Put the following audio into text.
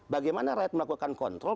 bagaimana rakyat melakukan kontrol